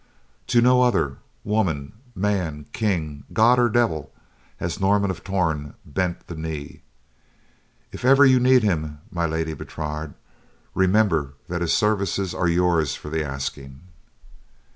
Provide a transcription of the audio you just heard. "To no other—woman, man, king, God, or devil—has Norman of Torn bent the knee. If ever you need him, My Lady Bertrade, remember that his services are yours for the asking."